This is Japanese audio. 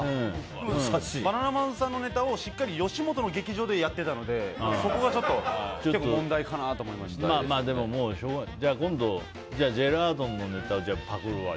バナナマンさんのネタをしっかり吉本の劇場でやっていたのでそこがちょっと問題かなとでもしょうがない。今度、ジェラードンのネタパクるわ。